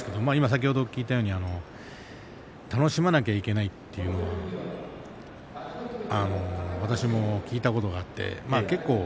先ほど聞いたように楽しまなければいけないというのは私も聞いたことがあります。